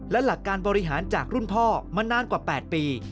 และหลักการบริหารจากรุ่นพ่อมานานกว่า๘ปี